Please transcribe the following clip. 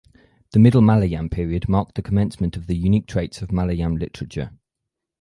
The Middle Malayalam period marked the commencement of the unique traits of Malayalam literature.